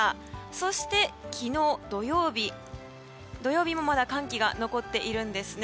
そして、昨日土曜日寒気がまだ残っているんですね。